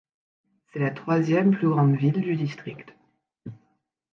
C'est la troisième plus grande ville du district.